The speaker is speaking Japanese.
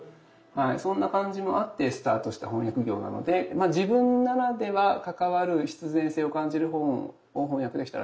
そんな感じもあってスタートした翻訳業なので自分ならでは関わる必然性を感じる本を翻訳できたら一番幸せだなとは思ってて。